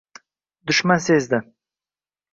Dushman sezdi